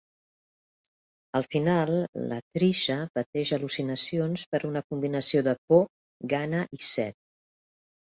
Al final, la Trisha pateix al·lucinacions per una combinació de por, gana i set.